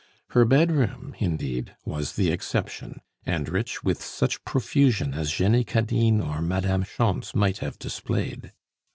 Her bedroom, indeed, was the exception, and rich with such profusion as Jenny Cadine or Madame Schontz might have displayed.